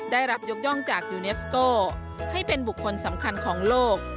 ได้รับยกย่องจากยูเนสโก้ให้เป็นบุคคลสำคัญของโลก